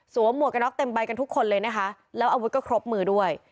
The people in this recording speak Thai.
หมวกกระน็อกเต็มใบกันทุกคนเลยนะคะแล้วอาวุธก็ครบมือด้วย